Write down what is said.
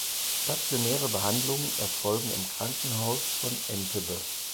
Stationäre Behandlungen erfolgen im Krankenhaus von Entebbe.